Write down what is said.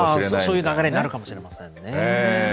そういう流れになるかもしれませんね。